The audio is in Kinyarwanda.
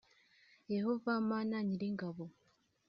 Yehova mana nyir ingabo